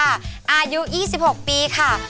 อายุ๒๖ปีค่ะ